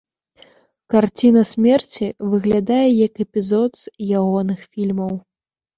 Карціна смерці выглядае як эпізод з ягоных фільмаў.